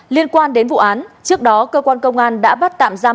liên quan đến vụ án trước đó cơ quan công an đã bắt tạm giam